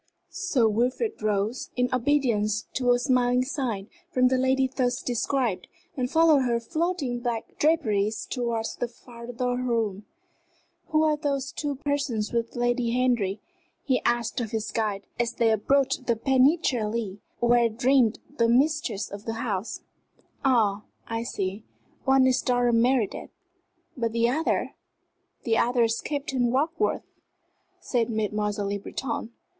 Sir Wilfrid rose, in obedience to a smiling sign from the lady thus described, and followed her floating black draperies towards the farther room. "Who are those two persons with Lady Henry?" he asked of his guide, as they approached the penetralia where reigned the mistress of the house. "Ah, I see! one is Dr. Meredith but the other?" "The other is Captain Warkworth," said Mademoiselle Le Breton.